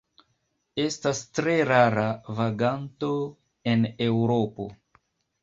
Estas tre rara vaganto en Eŭropo.